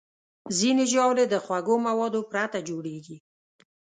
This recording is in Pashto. ځینې ژاولې د خوږو موادو پرته جوړېږي.